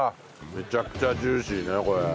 めちゃくちゃジューシーねこれ。